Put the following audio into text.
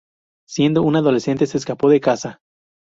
Siendo un adolescente se escapó de casa.